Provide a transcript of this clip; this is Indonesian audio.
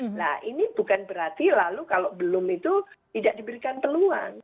nah ini bukan berarti lalu kalau belum itu tidak diberikan peluang